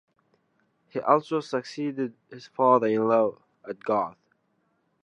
He also succeeded his father in law at Garth.